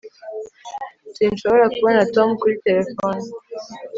sinshobora kubona tom kuri terefone